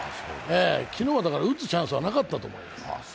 昨日は打つチャンスはなかったと思います。